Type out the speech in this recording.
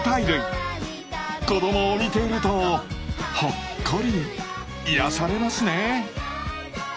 子どもを見ているとほっこり癒やされますね。